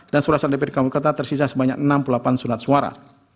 dan surat surat dpd kampung kota tersisa sebanyak enam puluh delapan surat suara